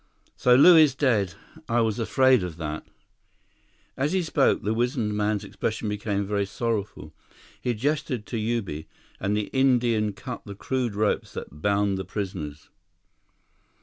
"So Lew is dead. I was afraid of that." As he spoke, the wizened man's expression became very sorrowful. He gestured to Ubi, and the Indian cut the crude ropes that bound the prisoners.